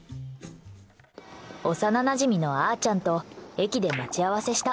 幼なじみのあーちゃんと駅で待ち合わせした。